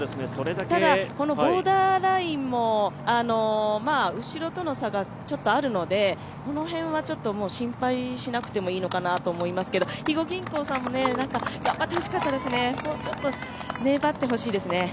ただ、ボーダーラインも後ろとの差がちょっとあるのでこの辺は心配しなくてもいいのかなと思いますけど肥後銀行さんも頑張ってほしかったですね、もうちょっと粘ってほしいですよね。